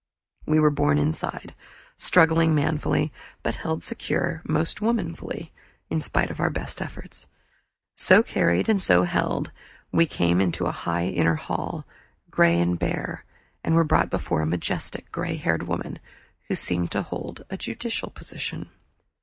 We were borne inside, struggling manfully, but held secure most womanfully, in spite of our best endeavors. So carried and so held, we came into a high inner hall, gray and bare, and were brought before a majestic gray haired woman who seemed to hold a judicial position.